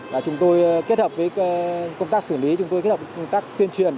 và chúng tôi kết hợp với công tác xử lý chúng tôi kết hợp công tác tuyên truyền